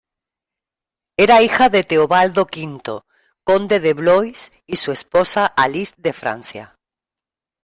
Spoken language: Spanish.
Era hija de Teobaldo V, conde de Blois y su esposa Alix de Francia.